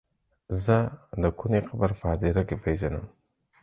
زه د کوني قبر په هديره کې پيژنم.